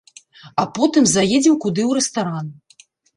А потым заедзем куды ў рэстаран.